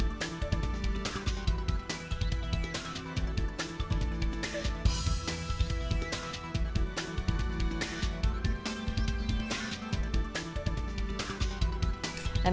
ketiga mencari penyusupan yang bisa diperlukan oleh justice collaborator